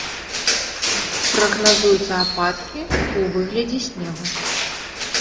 Прагназуюцца ападкі ў выглядзе снегу.